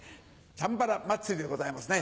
「チャンバラ祭」でございますね。